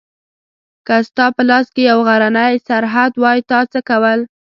که ستا په لاس کې یو غرنی سرحد وای تا څه کول؟